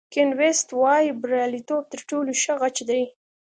کین ویست وایي بریالیتوب تر ټولو ښه غچ دی.